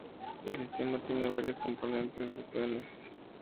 El sistema tiene varias componentes más tenues.